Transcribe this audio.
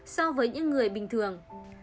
so với những người bình thường